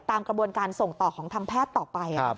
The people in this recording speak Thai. ตามกระบวนการส่งต่อของทางแพทย์ต่อไป